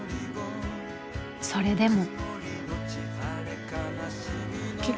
それでも。